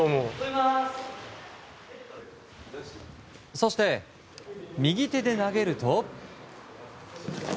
そして右手で投げると。